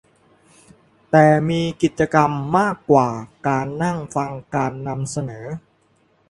แต่มีกิจกรรมมากกว่าการนั่งฟังการนำเสนอ